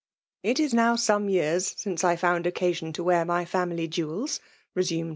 " It is now some years since I found occa sion to wear my fiunily jewels," resumed VttB.